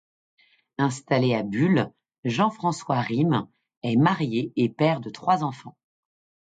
Installé à Bulle, Jean-François Rime est marié et père de trois enfants.